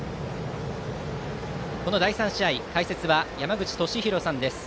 この第３試合解説は山口敏弘さんです。